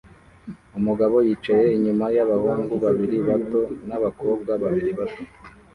Umugabo yicaye inyuma yabahungu babiri bato nabakobwa babiri bato